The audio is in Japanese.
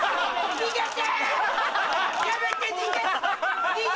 逃げて！